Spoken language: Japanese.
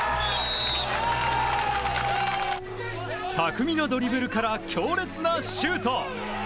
巧みなドリブルから強烈なシュート。